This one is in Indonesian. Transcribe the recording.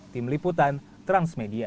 tim liputan transmedia